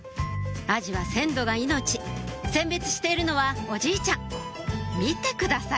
アジは鮮度が命選別しているのはおじいちゃん見てください